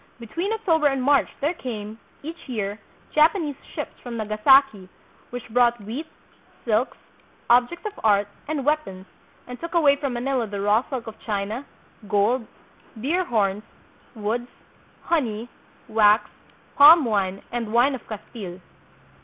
Between October and March there came, each year, Japanese ships from Nagasaki which brought wheat, silks, objects of art, and weapons, and took away from Manila the raw silk of China, gold, deer horns, woods, honey, wax, palm wine, and wine of Castile.